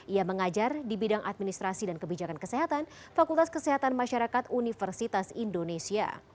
ia mengajar di bidang administrasi dan kebijakan kesehatan fakultas kesehatan masyarakat universitas indonesia